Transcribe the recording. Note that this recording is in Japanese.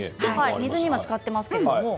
水につかっていますね。